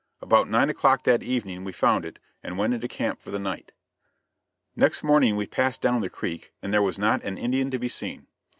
About 9 o'clock that evening we found it, and went into camp for the night. Next morning we passed down the creek and there was not an Indian to be seen.